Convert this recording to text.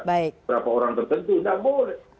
berapa orang tertentu tidak boleh